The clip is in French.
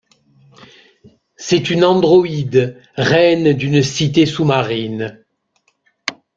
C'est une androïde, reine d'une cité sous-marine.